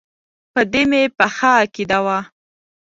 په دې مې پخه عقیده وه.